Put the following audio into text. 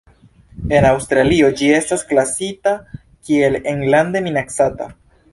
En Aŭstralio ĝi estas klasita kiel enlande minacata.